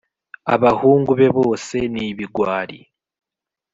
abahungu be bose nibigwari.